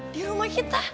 di rumah kita